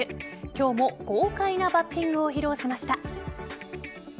今日も、豪快なバッティングを披露しました。